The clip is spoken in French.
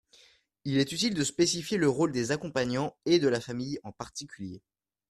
Il est utile de spécifier le rôle des accompagnants, et de la famille en particulier.